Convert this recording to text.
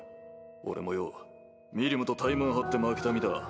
俺もよミリムとタイマン張って負けた身だ。